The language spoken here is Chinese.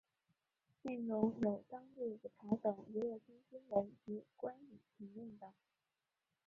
内容有当地舞台等娱乐圈新闻及观影评论等。